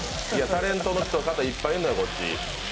タレントの方、いっぱいいるのよ、こっち。